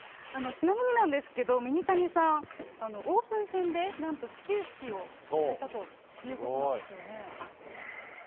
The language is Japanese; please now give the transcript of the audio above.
ちなみになんですけど、ミニタニさん、オープン戦でなんと始球式をされたということなんですよね。